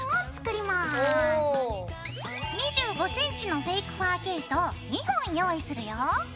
２５ｃｍのフェイクファー毛糸を２本用意するよ。